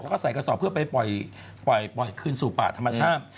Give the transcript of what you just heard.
แล้วก็ใส่กระสอบเพื่อไปปล่อยคืนสู่ป่าธรรมชาติ